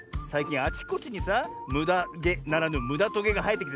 あちこちにさむだげならぬむだトゲがはえてきてさ